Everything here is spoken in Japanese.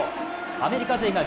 アメリカ勢が